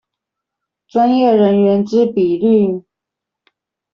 專業人員之比率